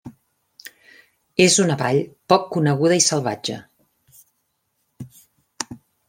És una vall poc coneguda i salvatge.